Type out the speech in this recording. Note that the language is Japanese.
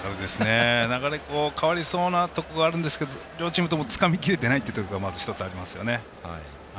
流れ変わりそうなところがあるんですけど両チームともつかみきれてないのが１つありますよね。